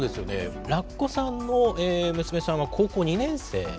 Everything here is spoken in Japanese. ラッコさんの娘さんは高校２年生。